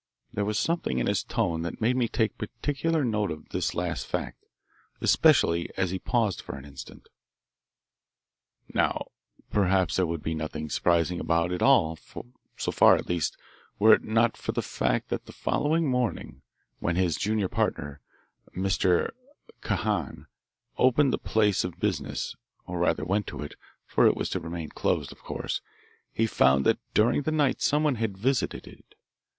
There was something in his tone that made me take particular note of this last fact, especially as he paused for an instant. "Now, perhaps there would be nothing surprising about it all, so far at least, were it not for the fact that the following morning, when his junior partner, Mr. Kahan, opened the place of business, or rather went to it, for it was to remain closed, of course, he found that during the night someone had visited it.